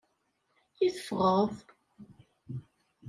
I teffɣeḍ?